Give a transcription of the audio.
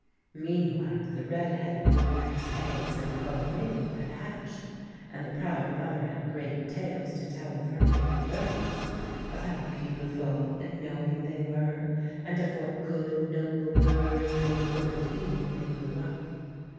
Meanwhile the red headed woodpecker's eggs in the hollow maple had hatched, and the proud mother had great tales to tell of her baby birds, of how beautiful and knowing they were, and of what good, noble birds they were going to be when they grew up.